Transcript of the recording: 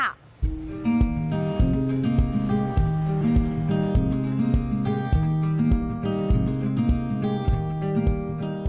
โดยนายบุญพองศิริเวชภัณฑ์ก็จะรับหน้าที่ไปจัดหามาให้ค่ะ